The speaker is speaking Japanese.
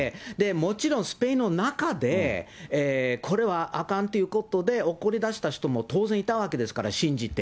もちろんスペインの中でこれはあかんということで怒りだした人も当然いたわけですから、信じて。